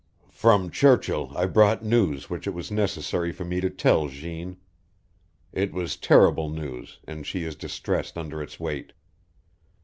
From Churchill I brought news which it was necessary for me to tell Jeanne. It was terrible news, and she is distressed under its weight.